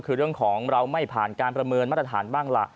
คือเรื่องของเราไม่ผ่านการประเมินมาตรฐานบ้างล่ะ